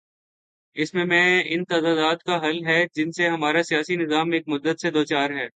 اس میں ان تضادات کا حل ہے، جن سے ہمارا سیاسی نظام ایک مدت سے دوچار ہے۔